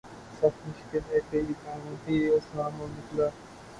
سخت مشکل ہے کہ یہ کام بھی آساں نکلا